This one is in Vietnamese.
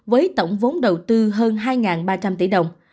với tổng vốn đầu tư hơn hai ba trăm linh tỷ đồng